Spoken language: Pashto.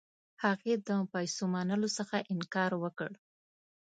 هغې د پیسو منلو څخه انکار وکړ.